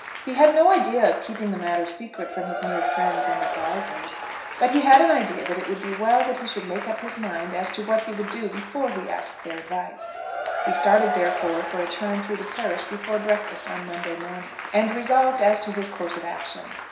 He had no idea of keeping the matter secret from his near friends and advisers; but he had an idea that it would be well that he should make up his mind as to what he would do before he asked their advice. He started, therefore, for a turn through the parish before breakfast on Monday morning, and resolved as to his course of action.